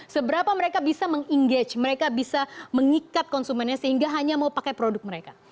seberapa mereka bisa meng engage mereka bisa mengikat konsumennya sehingga hanya mau pakai produk mereka